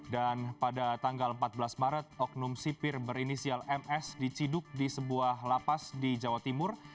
dan pada tanggal empat belas maret oknum sipir berinisial ms diciduk di sebuah lapas di jawa timur